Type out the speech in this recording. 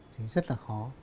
thì rất là khó